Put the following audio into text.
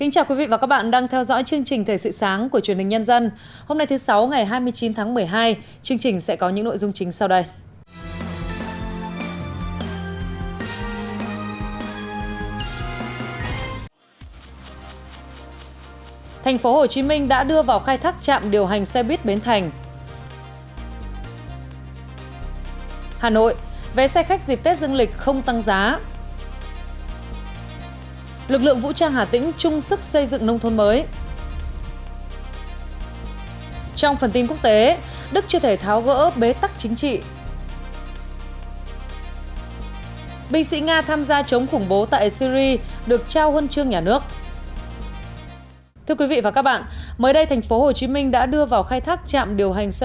các bạn hãy đăng ký kênh để ủng hộ kênh của chúng mình nhé